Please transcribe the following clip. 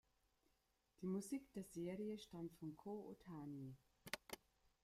Die Musik der Serie stammt von Kō Ōtani.